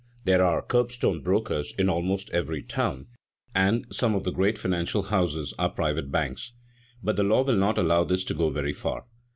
There are "curbstone brokers" in almost every town, and some of the great financial houses are private banks. But the law will not allow this to go very far.